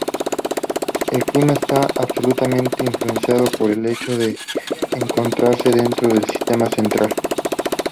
El clima está absolutamente influenciado por el hecho de encontrarse dentro del Sistema Central.